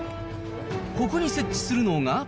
ここに設置するのが。